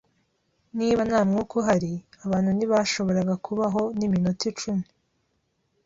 Niba nta mwuka uhari, abantu ntibashoboraga kubaho niminota icumi.